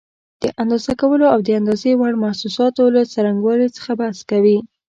د اندازه کولو او د اندازې وړ محسوساتو له څرنګوالي څخه بحث کوي.